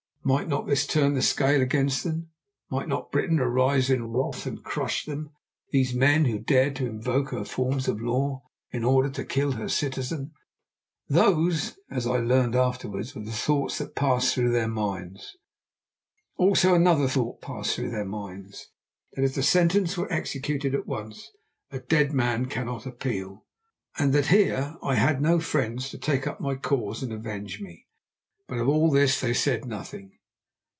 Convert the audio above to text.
Might not this turn the scale against them? Might not Britain arise in wrath and crush them, these men who dared to invoke her forms of law in order to kill her citizen? Those, as I learned afterwards, were the thoughts that passed through their minds. Also another thought passed through their minds—that if the sentence were executed at once, a dead man cannot appeal, and that here I had no friends to take up my cause and avenge me. But of all this they said nothing.